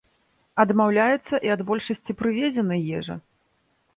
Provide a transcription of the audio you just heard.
Адмаўляецца і ад большасці прывезенай ежы.